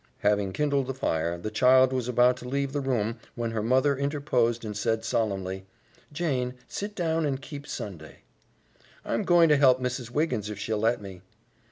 Having kindled the fire, the child was about to leave the room when her mother interposed and said solemnly, "Jane, sit down and keep Sunday." "I'm going to help Mrs. Wiggins if she'll let me."